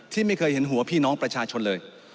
ไม่เคยเห็นหัวพี่น้องประชาชนเลย